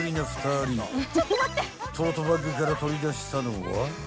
［トートバッグから取り出したのは］